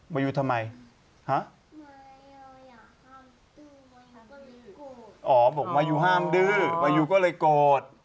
มายูทำไมฮะอ๋อบอกมายูห้ามดื้อมายูก็เลยโกรธ